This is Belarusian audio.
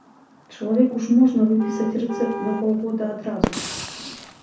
Чалавеку ж можна выпісаць рэцэпт на паўгода адразу!